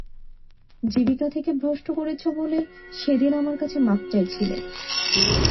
জীবিকা থেকে ভ্রষ্ট করেছ বলে সেদিন আমার কাছে মাপ চাইছিলে।